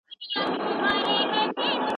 د مقصد تر لاسه کولو يا مايوسۍ وروسته له منځه ځي!